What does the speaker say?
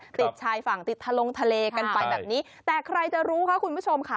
ติดชายฝั่งติดทะลงทะเลกันไปแบบนี้แต่ใครจะรู้ค่ะคุณผู้ชมค่ะ